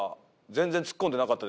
全然ツッコんでなかった。